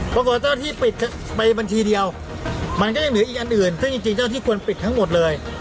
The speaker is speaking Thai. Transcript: ปรากฏเจ้าที่ปิดไปบัญชีเดียวมันก็ยังเหลืออีกอันอื่นซึ่งจริงเจ้าที่ควรปิดทั้งหมดเลย